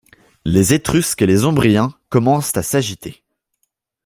Les Étrusques et les Ombriens commencent à s’agiter.